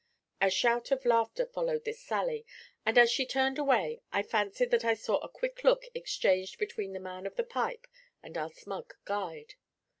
A shout of laughter followed this sally, and as she turned away I fancied that I saw a quick look exchanged between the man of the pipe and our smug guide.